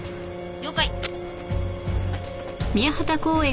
了解。